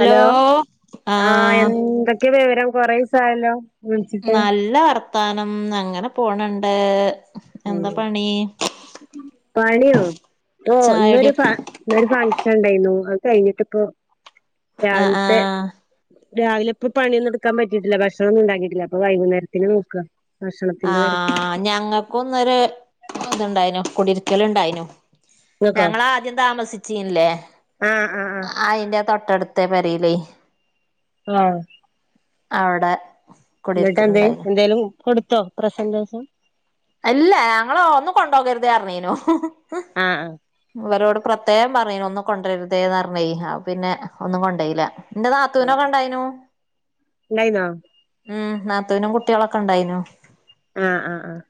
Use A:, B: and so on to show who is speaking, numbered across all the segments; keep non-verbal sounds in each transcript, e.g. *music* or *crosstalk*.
A: Hello ആഹ് എന്തൊക്കെ വിവരം കൊറേസ ആയല്ലോ
B: നല്ല വർത്താനം അങ്ങനെ പോണുണ്ട്
A: പണിയൊ ഇപ്പോ ഇന്നൊര് ഫ
B: ചായുടിയൊക്കെ
A: ഇന്നൊരു ഫംഗ്ഷൻണ്ടയ്ന്നു അത് കഴിഞ്ഞിട്ട് ഇപ്പൊ
B: ആഹ്
A: രാവിൽത്തെ
B: ആഹ്
A: രാവിലപ്പ പണിയൊന്നും ഇട്ക്ക പറ്റീട്ടില്ല ഭക്ഷണൊന്നും ഇണ്ടാക്കീട്ടില്ല അപ്പൊ വൈകുന്നേരത്തിന് നോക്ക
B: ആഹ് ഞങ്ങക്കുന്നൊര് ഇത്ണ്ടായ്നു കുടിരിക്കല് ഇണ്ടയ്നു
A: നിങ്ങക്കോ
B: ഞങ്ങളാദ്യം താമസിച്ചീന്നിലെ
A: ആഹ് ആഹ് ആഹ്
B: അയിന്റ തൊട്ടട്ത്ത പെരീലെയ്
A: ആഹ്
B: അവടെ
A: ഇന്നിട്ടെന്തെ എന്തായാലും കൊട്ത്തൊ പ്രസന്റേസം
B: അല്ല ഞങ്ങള് ഒന്നും കൊണ്ടോകര്തെ അർഞീന്നു
A: ആഹ് ആഹ്
B: ഇവരോട് പ്ര പ്രത്യേക പറഞ്ഞീനു ഒന്നും കൊണ്ട്രർതേന്നർഞൊയ് അപ്പ പിന്നെ ഒന്നും കൊണ്ടോയില്ല ഇന്റ നാത്തൂനൊക ഇണ്ടയ്നു
A: ഇണ്ടയ്ന്നൊ
B: ഉം നാത്തൂനും കുട്ട്യാളൊക്കെ ഇണ്ടായ്നൊ
A: ആഹ് ആഹ് ആഹ്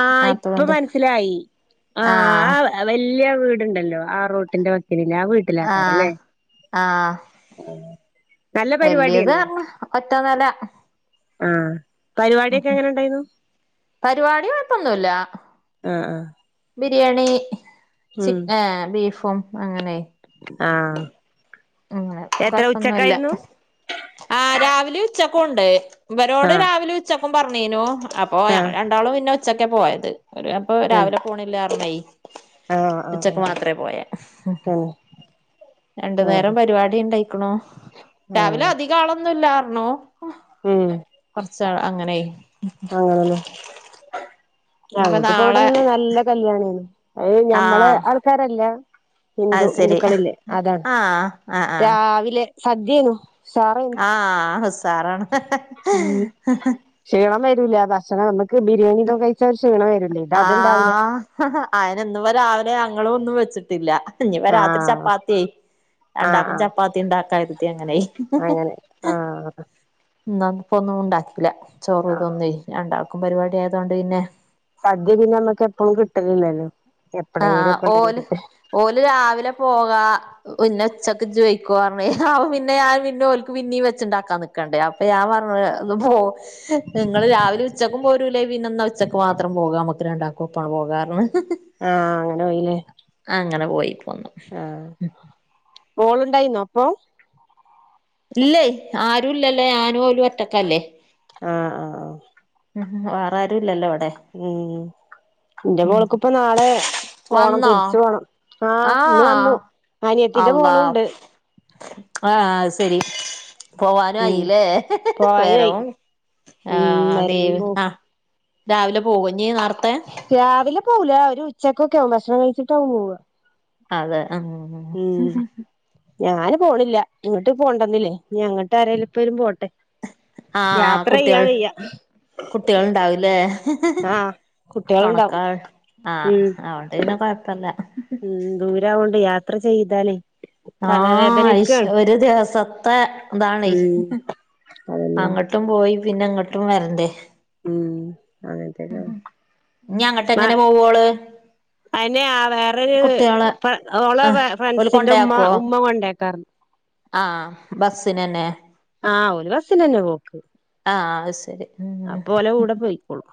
A: ആഹ്ഇപ്പ
B: നാത്തൂന്റെ
A: മൻസ്സ്ലായി ആഹ് ആവ് വല്യ വീട്ണ്ടല്ലൊ ആഹ് റോട്ടിന്റെ വക്കില് ആഹ്
B: ആഹ്
A: വീട്ട്ലാക്കാരലെ
B: ആഹ്
A: നല്ല
B: വല്യത്
A: പരിപാടിയേന്നു
B: പറഞ്ഞ ഒറ്റ നെല
A: ആഹ് പരിപാടിയൊക്കെങ്ങന ഇണ്ടായ്ന്നു
B: പരുപാടി കൊഴ്പ്പൊന്നുല്ലാ
A: ആഹ് ആഹ്
B: ബിരിയാണി
A: ഉം
B: ആഹ് ബീഫും അങ്ങനെ
A: ആഹ്
B: അങ്ങനെ
A: എത്ര
B: കൊഴപ്പൊന്നുല്ല
A: ഉച്ചക്കായിരുന്നു
B: ആഹ് രാവിലെ ഉച്ചക്കും ഉണ്ട് ഇവരോട്
A: ആഹ്
B: രാവിലെ ഉച്ചക്കും പറഞ്ഞീനു അപ്പൊ ഞങ്ങ
A: ആഹ്
B: ഒരാള് പിന്നെ ഉച്ചക്കാ പോയത് ഒരു അപ്പൊ
A: തന്നെ
B: രാവിലെ പോണില്ലാ പറഞ്ഞേ
A: ആഹ് ആഹ്
B: ഉച്ചക്ക് മാത്ര പോയെ
A: ആഹ് തന്നെ
B: രണ്ടു നേ
A: ആഹ്
B: പരിപാടി ഉണ്ടായിക്കണു രാവിലെ
A: ആഹ്
B: അധികം ആളൊന്നും ഇല്ലാറുന്നു
A: ഉം
B: കൊറച്ചാൾ അങ്ങനെയ്
A: അങ്ങനതന്നെ
B: ഇനിപ്പ
A: ഞങ്ങക്കിപ്പം ഇവിടെ
B: നാളെ
A: ഇന്ന് നല്ല കല്യാണാണ് അത് ഞമ്മളെ
B: ആഹ്
A: ആൾക്കാരല്ല ഹിന്ദു
B: അത് ശരി
A: ഹിന്ദുക്കളില്ലേ അതാണ്
B: ആഹ് ആഹ് ആഹ്
A: രാവിലെ സധ്യെന്നു
B: ആഹ് ഉസാറാണ്
A: ഉം ക്ഷീണം വരൂല്ല ഭക്ഷണം നമുക്ക് ബിരിയാണിന്നും കഴിച്ചാ അവര് ക്ഷീണം വരൂല്ലേ
B: ആഹ് അയിന് ഇന്നിപ്പം രാവിലെ ഞങ്ങളും ഒന്നും വെച്ചിട്ടില്ല ഇനിയിപ്പം രാത്രി
A: ആഹ്
B: ചപ്പാത്തിയായി
A: ആഹ്
B: രണ്ടാക്കും
A: ആഹ്
B: ചപ്പാത്തി ഉണ്ടാക്കൻ എടുത്ത് ഞാൻ അങ്ങനായി
A: അങ്ങനെ ആഹ്
B: ഇന്ന് ഇപ്പൊന്നും ഉണ്ടാക്കില്ല ചോറ്
A: ആഹ്
B: ഇതൊന്നും രണ്ടാൾക്കും പരിപാടി ആയതോണ്ട് പിന്നെ
A: സദ്യ പിന്നെ നമ്മക്ക് എപ്പളും കിട്ടലില്ലല്ലോ എപ്പഴേലും
B: ആഹ്
A: ഒക്കെ ഉണ്ടെങ്കി
B: ഓല്
A: കിട്ടും
B: ഓല് രാവിലെ പോകാ പിന്നെ ഉച്ചക്ക് ചോയിക്കുംന്ന് പറഞ്ഞ് അപ്പം പിന്നെ ഞാൻ പിന്നെ ഓല്ക്ക് പിന്നെയും വെച്ചുണ്ടാക്കാന്ന് ക്കണ്ടേ അപ്പൊ ഞാൻ പറഞ്ഞു ഇന്ന് പോ നിങ്ങള് രാവിലെ ഉച്ചക്കും പോരൂല്ലേ പിന്നെന്ന ഉച്ചക്ക് മാത്രം പോകാൻ നമ്മക്ക് രണ്ടാക്കും ഒപ്പാണ് പോകാന്ന്
A: ആഹ് അങ്ങനെ പോയില്ലേ
B: അങ്ങനെ പോയിപ്പോന്നു
A: ആഹ് മോളുണ്ടായിന്നോ അപ്പൊ
B: ഇല്ലേ ആരും ഇല്ലല്ലേ ഞാനും ഓലും ഒറ്റക്കല്ലേ
A: ആഹ് ആഹ് ആഹ്
B: ഉം വേറെ ആരും ഇല്ലല്ലോ വടെ
A: ഉം ഇന്റെ മോൾക്കിപ്പൊ നാളെ പോണം
B: വന്നോ
A: തിരിച്ചു പോണം ആഹ് ഇന്ന് വന്നു അനിയത്തിന്റെ
B: അള്ളാ
A: മോളും ഉണ്ട്
B: ആഹ് അയ്ശരി പോവാനും
A: ഉം
B: ആയില്ലേ
A: പോവാനായി
B: വെരവും
A: ഉം
B: ആഹ്
A: വരവും
B: ലീവ്
A: പോക്കും
B: ആഹ് രാവിലെ പോവോ ഇനി നാർത്തെ
A: രാവിലെ പോകൂല ഒരു ഉച്ചയ്ക്കൊക്കെ ആകും ഭക്ഷണം കഴിച്ചിട്ട് ആകും പോവ
B: അതെ ആഹ്മ്
A: ഉം ഞാന് പോണില്ല ഇങ്ങിട്ട് പോവണ്ടന്നില്ലേ അങ്ങട്ട് ആരും ഇപ്പോലും പോട്ടെ
B: ആഹ്
A: യാത്ര ചെയ്യാൻ
B: കുട്ടികള്
A: വയ്യ
B: കുട്ടികള് ഉണ്ടാവും ഇല്ലേ
A: ആഹ് കുട്ടികളുണ്ടാവും
B: തുണക്കാൾ ആഹ്
A: ഉം
B: അതുകൊണ്ട് പിന്നെ കൊഴപ്പില്ല
A: ഉം ദൂരാവോണ്ട് യാത്ര ചെയ്താലേ
B: ആഹ് ശ്
A: തലവേദനിക്കാണ്
B: ഒരു ദിവസത്തെ ഇതാണ്
A: ഉം
B: അങ്ങട്ട്
A: അതന്നെ
B: അങ്ങട്ടും പോയി പിന്നെ ഇങ്ങട്ടും വരണ്ടേ
A: ഉം
B: ഉം
A: അങ്ങനത്തെക്കെ
B: ഇനി അങ്ങട്ട് എങ്ങനെ പോവോള്
A: അതിന് ആ വേറൊരു
B: കുട്ടികളെ
A: ഇപ്പ ഓള്
B: ആഹ് ഓല്
A: ഫ്രണ്ട്സിന്റെ ഉമ്മ
B: കൊണ്ടയാക്കോ
A: ഉമ്മ കൊണ്ടേക്കാ
B: ആഹ് ബസ്സിനന്നെ
A: ആഹ് ഒരു ബസിന് തന്നെ പോക്ക്
B: ആഹ് അത് ശരി ഉം
A: അപ്പോ ഓലെ കൂടെ പോയിക്കോളും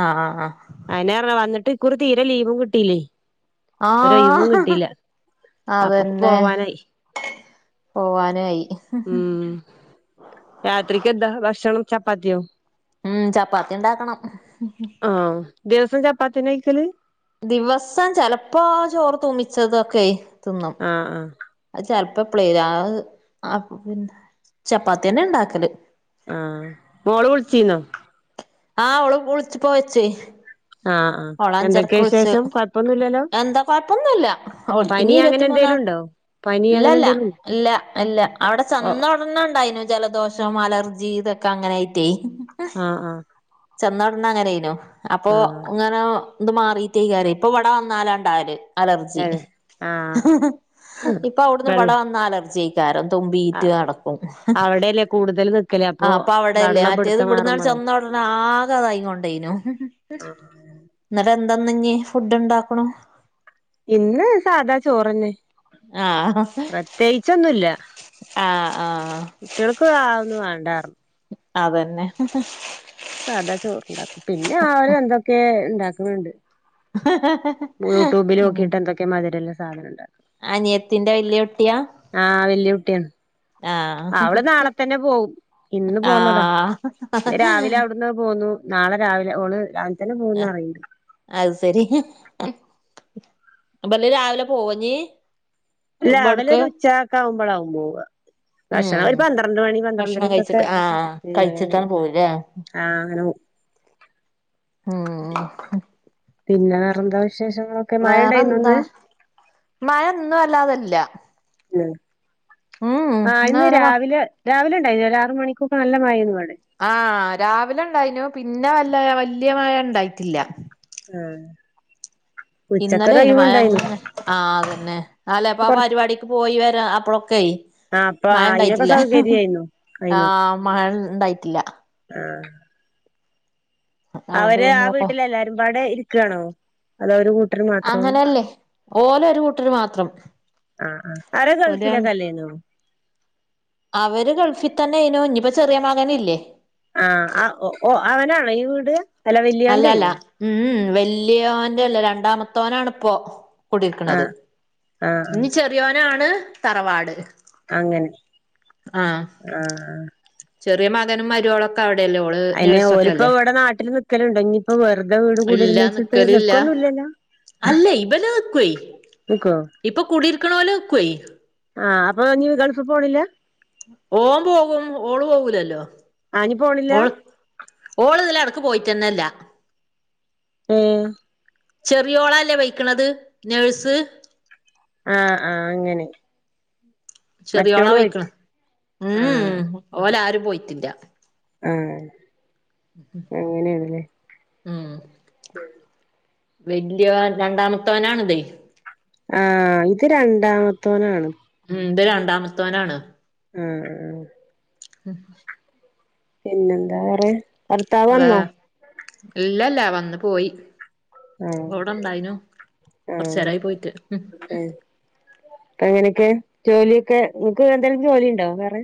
B: ആഹ് ആഹ്
A: അയിനേറെ വന്നിട്ട് ഇക്കുറി തീരെ ലീവും കിട്ടിയില്ലേ ഒരയവും
B: ആഹ് ആഹ്
A: കിട്ടിയില്ല അപ്പൊ,
B: അതന്നെ
A: പോവാനായി
B: പോവാനായി
A: ഉം രാത്രിക്ക് എന്താ ഭക്ഷണം ചപ്പാത്തിയോ
B: ഉം ചപ്പാത്തി ഉണ്ടാക്കണം
A: ആ, ദിവസം ചപ്പാത്തിയ കഴിക്കല്
B: ദിവസം ചിലപ്പോ ചോറ് തുമിച്ചതൊക്കെ തിന്നും
A: ആ ആ
B: അത് ചിലപ്പോ അപ്പളേ ചപ്പാത്തി തന്നെ ഉണ്ടാക്കല്
A: ആഹ് മോള് വിളിച്ചീന്നോ
B: ആഹ് അവള് ഇപ്പം വിളിച്ചിപ്പം വെച്ചേ
A: ആഹ ആ
B: ഓള്
A: എന്തൊക്കെയ വിശേഷം കൊഴപ്പൊന്നുമില്ലല്ലോ
B: കുഴപ്പൊന്നുമില്ല ഓ ഇനി ഇരുപത്തിമൂന്നാ
A: എന്തേലും ഉണ്ടോ പനി അങ്ങനെ
B: ഇല്ലല്ല
A: എന്തേലും ഉണ്ടോ?
B: ഇല്ല ഇല്ല അവിടെ
A: ഓ
B: ചന്തേ ഉണ്ടായിരുന്നു ജലദോഷം, അലർജി ഇതൊക്കെ അങ്ങനെയിട്ടേ
A: ആഹ ആഹ
B: ചെന്നോടന്ന് അങ്ങനെനു അപ്പൊ
A: ആഹ്
B: ഇങ്ങനെ എന്ത് മാറിയിട്ടേ കാര്യം ഇപ്പ ഇവിടെ വന്നാലാണ്ടായാല് അലർജി,
A: ഏഹ് ആഹ്
B: ഇപ്പ അവിടുന്ന് ഇവിടെ
A: വെള്ളം
B: വന്ന അലർജി ആ അന്നേരം തുമ്മീറ്റ് കാണും
A: ല്ലേ കൂതൽ നിൽക്കല
B: ആ അപ്പൊ അവിടെയല്ലേ മറ്റേത് ഇവിടുന്നാൾ ചെന്ന ഉടനെ ആകെ അതായി കൊണ്ടേനു എന്നിട്ട് എന്താ ഇന്നിനി ഫുഡ് ഉണ്ടാക്കണ
A: ഇന്ന് സാധാ ചോറന്നെ
B: ആഹ
A: പ്രത്യേകിച്ചൊന്നുല്ല
B: ആഹ ആഹ
A: കുട്ടികൾക്ക് ആതൊന്നും വേണ്ടായിരുന്നു
B: അതന്നെ
A: സാധാ ചോറുണ്ടാക്കും, പിന്നെ അവര് എന്തൊക്കെ ഉണ്ടാക്കുന്നുണ്ട്.
B: *unintelligible*
A: യൂട്യൂബിൽ
B: ഉം
A: നോക്കിയിട്ട് എന്തക്കെ മധുര ഉള്ള സാധനം ഉണ്ടകും.
B: അനിയത്തിന്റെ വലിയ കുട്ടിയാ
A: ആഹ, വല്യയ കുട്ടിയാണ്
B: ആഹ്
A: അവള് നാളെ തന്നെ പോവും, ഇന്ന് പോന്നതാ.
B: ആഹ്
A: ഇന്ന് രാവിലെ അവിടുന്ന് പോന്നു, നാളെ രാവിലെ, ഓള് രാവിലെ തന്നെ പോകുന്നു അറയിണ്ട്
B: അത് ശരി അപ്പ രാവിലെ പോണെ
A: രാവിലെ, ഒരു ഉച്ചയൊക്കെ ആവുമ്പോൾ ആണ്, പോവുക, ഭക്ഷണം ഒരു പന്ത്രണ്ട് മണി പന്ത്രണ്ടരക്ക
B: ആ കഴിച്ചിട്ടാണ് പോവ അല്ലേ
A: ആ
B: ഉം
A: പിന്നെ വെറെ എന്താ വിശേഷങ്ങളൊക്കെ മഴണ്ടായ്ര്ന്നാേ
B: വേറെന്താ
A: ഇന്ന്
B: മഴ ഇന്ന് വല്ലാതെല്ല
A: ഉം ആഹ് ഇന്ന്
B: ഇന്നങ്ങനെ മ
A: രാവിലെ രാവിലെണ്ടായ്നി ഒരാറ് മണിക്കൊക്കെ നല്ല മഴേന്നുവടെ
B: ആഹ് രാവിലെണ്ടായ്നു പിന്നെ വല്ല വല്യ മഴ ണ്ടായ്ട്ടില്ല
A: ആഹ്
B: ഇന്നലേനു മഴങ്ങെനെ ആഹ് അതെന്നെ അല്ലാ അപ്പാ ആഹ്
A: കൊറ
B: പരിപാടിക്ക് പോയി വരാ അപ്പളൊക്കെ
A: ആഹ് അപ്പൊ അയിനൊക്കെ
B: മഴണ്ടായ്ട്ടില്ല
A: സൗകര്യായിരുന്നു അയിന്
B: ആഹ് മഴണ്ടായ്ട്ടില്ല
A: ആഹ്
B: അതോണ്ട്
A: അവര് ആ
B: പിന്നൊക്കെ
A: വീട്ടില് എല്ലാരും പാടെ ഇരിക്കാണോ അതോ ഒര് കൂട്ടര് മാ
B: അങ്ങനെല്ലേ ഓലൊരു കൂട്ടര് മാത്രം
A: ആഹ് ആഹ് അവര്
B: ഓല് രണ്ട്
A: ഗൾഫിലെക്കെല്ലേന്നോ
B: അവര് ഗൾഫി തന്നേയ്നു ഇഞ്ഞിപ്പോ ചെറിയ മകന് ഇല്ലേ
A: ആഹ് അ ഒ ഒ അവനാണോ ഈ വീട് അല്ല
B: അല്ലല്ല
A: വല്യോന്റെല്ലേ
B: ഉം വല്യോന്റെല്ല രണ്ടാമത്തോനാണ്പ്പോ കുടിര്ക്ക്ണത്
A: ആഹ് ആഹ് ആഹ്
B: ഇനി ചെറ്യോനാണ് തറവാട്
A: അങ്ങനെ ആഹ്
B: ചെറ്യേ മകനും മരോളാെക്കെവിടെല്ലേ ഓള്
A: അയ്ന്
B: നേഴ്സൊക്കെ
A: ഓലിപ്പോ
B: അല്ലേ
A: ഇവിടെ നാട്ടില് നിക്കല്ണ്ടാേ ഇഞ്ഞിപ്പോ വെർതെ വീട്
B: ഇല്ല
A: കൂടിര്ന്ന്ച്ചിട്ട്
B: നിക്കലില്ല
A: നിക്കൊന്നുല്ലല്ലോ
B: അല്ലേ ഇബല് നിക്ക്വേയ്
A: നിക്കോ
B: ഇപ്പ കൂടിരിക്ക്ണോല് നിക്ക്വേയ്
A: ആഹ് അപ്പൊ ഞ്ഞ് ഗൾഫ് പോണില്ലാ
B: ഓമ്പേകും ഓള് പോകൂലല്ലോ
A: ആഹ് ഞ്ഞ് പോണില്ലാ
B: ഓള് ഓള് ഇതിലെടെക്ക് പോയിറ്റെന്നെല്ല
A: ഏഹ്
B: ചെറ്യോളല്ലേ പൊയ്ക്ക്ണത് നഴ്സ്
A: ആഹ് ആഹ് അങ്ങനെ
B: ചെറ്യോള
A: മറ്റോള് പോയിട്ട്
B: പോയ്ക്ക്ണെ ഉം
A: ആഹ്
B: ഉം ഓലാരും പോയിറ്റില്ല
A: ആഹ്
B: ഉം ഉം
A: ഉം
B: വെല്ല്യോ രണ്ടാമത്തോനാണ്തേ
A: ആഹ് ഇത് രണ്ടാമത്തോനാണ്
B: ഉം ത് രണ്ടാമത്തോനാണ്
A: ഉം ഉം പിന്നെന്താ വെറെ
B: വേർ ഇല്ലല്ലാ വന്ന് പോയി
A: ആഹ്
B: പ്പ വടെണ്ടായ്നു
A: ആഹ്
B: കൊർച്ചേരായി പോയിട്ട്
A: അങ്ങെനെക്കെ ജോലിയൊക്കെ ങ്ങ്ക്ക് എന്തേലും ജോലിണ്ടാേ വേറെ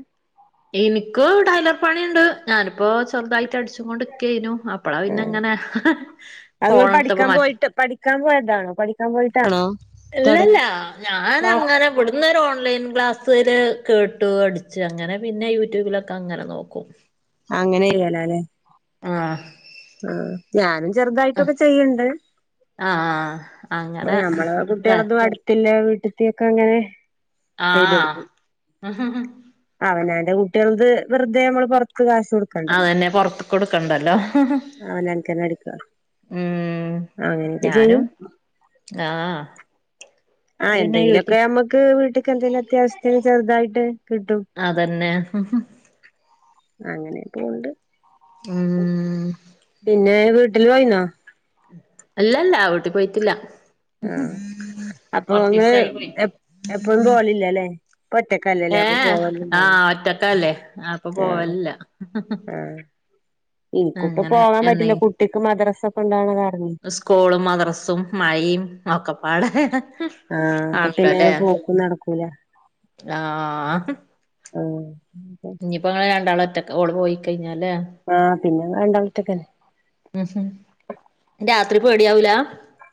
B: ഇനിക്ക് ടൈലർ പണിണ്ട് ഞാനിപ്പോ സ്വന്തായിട്ട് അടിച്ച്ങ്ങൊണ്ട്ക്കേനു അപ്പള പിന്നെങ്ങെനെ ഫോണ്‌ട്ത്തപ്പ മാറ്റ്
A: ക്കാം പോയതാണോ പഠിക്കാം പോയിട്ടാണോ
B: ഇല്ലല്ല
A: തുടങ്ങി
B: ഞാനങ്ങനെ ബ്ട് അന്നേരം ഓൺലൈൻ ക്ലാസില് കേട്ട് അടിച്ച് അങ്ങെനെ പിന്നെ യൂട്യൂബിലൊക്കങ്ങനെ നോക്കും
A: ആഹ് അങ്ങനെക്കലാലേ
B: ആഹ്
A: ആഹ് ഞാനും ചെർതായിട്ടൊക്കെ ചെയ്യ്ണ്ട്
B: ആഹ്
A: പ്പം
B: അങ്ങനെ
A: ഞമ്മളെ
B: ഇത
A: കുട്ട്യേള്തും അട്ത്തില്ലേ വീട്ടിത്ത്യേക്ക അങ്ങെനെ
B: ആഹ്
A: അവനവന്റെ കുട്ട്യളത് വെറുതെ നമ്മള് പുറത്ത് കാശൊട ക്കണ്ടെ
B: അതന്നെ പൊറത്ത്ക്കൊടുക്കണ്ടല്ലോ
A: അവനന്ക്കന്നെ അടിക്കാ
B: ഉം
A: അങ്ങനെക്കെ ചെയ്യും
B: ഞാനും ആഹ്
A: ആഹ്
B: പിന്നെ
A: എന്തെങ്കിലൊക്കെ
B: യൂട്യൂ
A: നമ്മക്ക് വീട്ടക്ക് എന്തേലും അത്യാവശ്യത്തിന് ചെറുതായിട്ട് കിട്ടും
B: അതന്നെ
A: അങ്ങനെയൊക്കെണ്ട്
B: ഉം
A: പിന്നെ വീട്ടില് പോയിന്നോ
B: അല്ലല്ല വീട്ടി പോയിറ്റില്ല
A: ആഹ് അപ്പൊ നിങ്ങള് എ
B: പോയിട്ട്
A: എപ്പോഴു പോവലില്ലല്ലേ ഇപ്പ ഒറ്റക്കല്ലെല്ലേ
B: ഏ
A: അപ്പൊ പോവലുണ്ടാവില്ല
B: ആഹ് ഒറ്റക്കല്ലേ അപ്പൊ
A: ആഹ്
B: പോവലില്ല
A: ആഹ് ഇനിക്കിപ്പ
B: അങ്ങനെ
A: പോവാൻ
B: എന്നേ
A: പറ്റില്ല കുട്ടിക്ക് മദ്രസൊക്കെ ഇണ്ടാവണ കാരണേ
B: സ്കൂളും മദ്രസും മഴയും ഒക്കെപ്പാട്
A: ആഹ് അപ്പൊ പിന്നെ പോക്കും നടക്കൂല
B: ആഹ്
A: ആഹ്
B: ഇപ്പ ഇങ്ങള് രണ്ടാളും ഒറ്റക്ക്‌ ഓൾ പോയി കഴിഞ്ഞാലേ
A: ആഹ് പിന്നെ രണ്ടാളും ഒറ്റക്കന്നെ
B: ഉം രാത്രി പേടിയാവൂല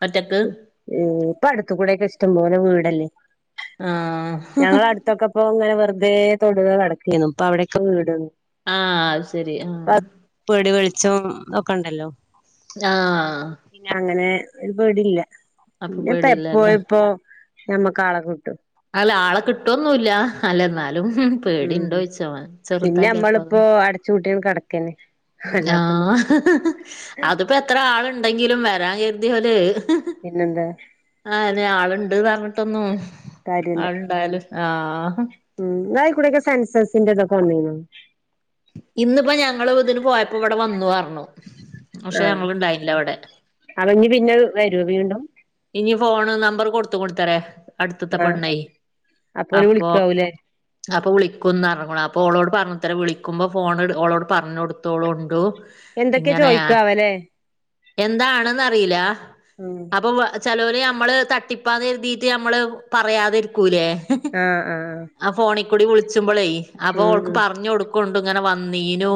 B: ഒറ്റക്ക്
A: ഉം ഇപ്പൊ അടുത്ത് കൂടെയൊക്കെ ഇഷ്ടം പോലെ വീടല്ലേ.
B: ആഹ്
A: ഞങ്ങള അടുത്തൊക്കെ ഇപ്പൊ ഇങ്ങനെ വെറുതേ തൊടുക കെടക്കേനു ഇപ്പൊ അവിടെക്കെ വീട് വന്ന്
B: ആഹ് അത് ശരിയാ ആഹ്
A: പേടി വെളിച്ചം ഒക്കെണ്ടല്ലോ
B: ആഹ്
A: പിന്ന അങ്ങനെ ഒരു പേടില്ല
B: അപ്പൊ
A: പിന്നെപ്പ എപ്പോ
B: പേടില്ലല്ലേ
A: ഇപ്പോ നമ്മക്ക് ആളെ കിട്ടും
B: അല്ല ആളെ കിട്ടുവൊന്നുല്ല അല്ല എന്നാലും പേടി
A: ഉം
B: ഉണ്ടോയിച്ച
A: പിന്നെ
B: ചെറുതല്ലേ അപ്പോ
A: നമ്മളിപ്പോ അടച്ചു പൂട്ടി കെടക്കന്നെ
B: ആഹ് അതിപ്പോ എത്ര ആളുണ്ടെങ്കിലും വരാൻ കരുതിയോൽ
A: പിന്നെന്താ
B: ആ അയ്ന് ആള് ഇണ്ട് പറഞ്ഞിട്ടൊന്നു
A: കാര്യല്ല
B: ആള് ഇണ്ടായലും ആഹ്
A: ഉം നിങ്ങളെയ്ക്കുടെക്കെ സെൻസസിന്റെ ഇതൊക്കെ വന്നീനോ
B: ഇന്നിപ്പോ ഞങ്ങള് ഇതിന് പോയപ്പോ ഇവിടെ വന്നു പറഞ്ഞു പക്ഷെ ഞങ്ങള് ഇണ്ടായില്ല ഇവിടെ
A: അവര് പിന്നെ വരോ വീണ്ടും
B: ഇനി ഫോണ് നമ്പറ് കൊടുത്ത് കൊടുത്തേരെ അടുത്തുത്തെ
A: ആഹ്
B: പെണ്ണേ
A: ഓല്
B: അപ്പൊ
A: വിളിക്കാവൂലേ
B: അപ്പൊ വിളിക്കുന്ന് പറഞ്ഞ്ക്ക്ണ് അപ്പൊ ഓളോട് പറഞ്ഞ് തരാ വിളിക്കുമ്പോ ഫോണ് ഓളോട് പറഞ്ഞൊടുത്തോളു ഉണ്ട്
A: എന്തൊക്കെ
B: ഇങ്ങനെയാ
A: ചോയിക്കാവല്ലേ
B: എന്താണെന്ന് അറിയില്ല
A: ഉം
B: അപ്പൊ ചെലോല് നമ്മള് തട്ടിപ്പാന്ന് കരുതീട്ട് നമ്മള് പറയാതിരിക്കൂലേ
A: ആഹ് ആഹ്
B: ആ ഫോണിൽ കൂടി വിളിച്ചുമ്പളേ അപ്പൊ
A: ഉം
B: അവൾക്ക്
A: ഉം
B: പറഞ്ഞു കൊടുക്കണ്ട് ഇങ്ങനെ വന്നീനു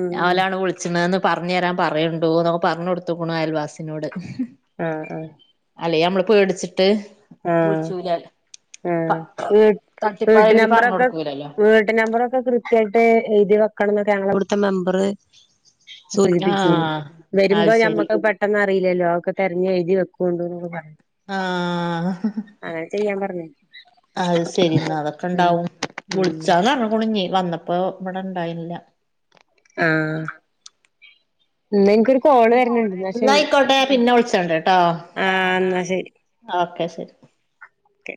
A: ഉം ഉം
B: ഓലാണ് വിളിച്ചണന്ന് പറഞ്ഞ് തരാൻ പറയണ്ടോ പറഞ്ഞ് കൊടുത്ത്ക്കുണു അയൽവാസിനോട്
A: ആഹ് ആഹ്
B: അല്ലെ നമ്മള് പേടിച്ചിട്ട് വിളിച്ചൂല
A: ആ
B: തട്ടിപ്പാ
A: വീട്ട്
B: കരുതി പറഞ്ഞു
A: നമ്പറൊക്കെ
B: കൊടുക്കൂലല്ലോ
A: വീട്ട് നമ്പറൊക്കെ കൃതൃ ക്കായിട്ട് എഴുതി വെക്കണം എന്നൊക്കെ ഞങ്ങളെ ഇവിടുത്തെ മെമ്പറ് സൂചിപ്പിച്ചിരുന്നു
B: ആഹ്
A: വരുമ്പോ
B: അത് ശരി
A: ഞമ്മക്ക് പെട്ട പെട്ടെന്നറില്ലല്ലോ അതൊക്കെ തിരഞ്ഞു എഴുതി വെക്കൊണ്ട് പറഞ്ഞിരുന്നു
B: ആഹ്
A: അങ്ങനെ ചെയ്യാൻ പറഞ്ഞേ
B: അത് ശരി എന്നാ അതൊക്കെ ഇണ്ടാവും
A: ഉം
B: വിളിച്ചാന്ന് പറഞ്ഞുകുണ് ഞ്ഞി വന്നപ്പോ ഇവിടെ ഇണ്ടായില്ല
A: ആഹ് ഇന്ന് ൻ
B: ഇന്നായിക്കോട്ടെ പിന്നെ വിളിച്ചണ്ട് ട്ടോ
A: ആഹ് എന്നാ
B: ഓക്കെ ശരി
A: ഓക്കേ